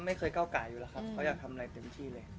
ไม่เคยเก้าไก่อยู่แล้วครับเขาอยากทำอะไรเต็มที่เลย